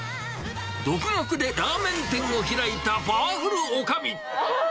独学でラーメン店を開いたパワフルおかみ。